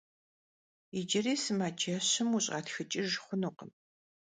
Yicıri sımaceşım vuş'atxıç'ıjj xhunukhım.